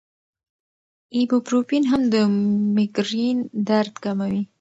ایبوپروفین هم د مېګرین درد کموي.